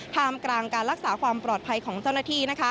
มกลางการรักษาความปลอดภัยของเจ้าหน้าที่